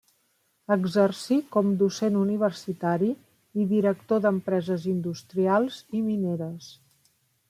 Exercí com docent universitari i director d'empreses industrials i mineres.